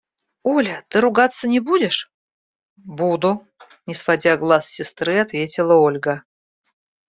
– Оля, ты ругаться не будешь? – Буду! – не сводя глаз с сестры, ответила Ольга.